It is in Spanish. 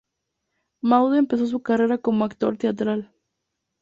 Maude empezó su carrera como actor teatral.